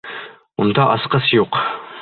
Унда асҡыс юҡ!